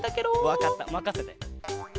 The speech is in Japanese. わかったまかせて！